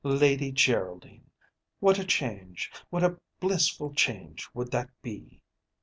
Lady Geraldine! What a change, what a blissful change would that be!